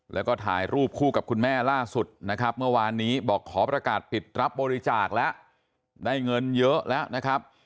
แล้วก็ถ่ายรูปคู่กับคุณแม่ล่าสุดเมื่อวานี้บอกขอประกาศผิดรับบริจาคและได้เงินเยอะและ